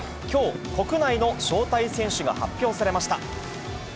きょう、国内の招待選手が発表されました。